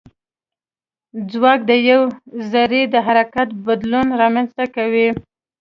ځواک د یوې ذرې د حرکت بدلون رامنځته کوي.